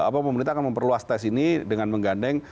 apa pemerintah akan memperluas tes ini dengan menggandeng